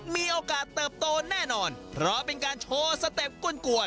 มีโอกาสเติบโตแน่นอนเพราะเป็นการโชว์สเต็ปกวน